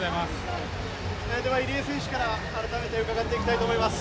では、入江選手から伺っていきたいと思います。